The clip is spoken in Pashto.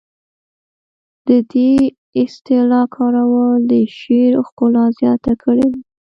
د دې اصطلاح کارول د شعر ښکلا زیاته کړې ده